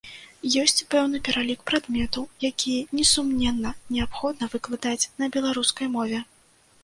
Ёсць пэўны пералік прадметаў, якія, несумненна, неабходна выкладаць на беларускай мове.